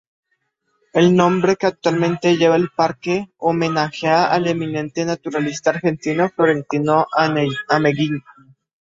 El nombre que actualmente lleva el parque homenajea al eminente naturalista argentino Florentino Ameghino.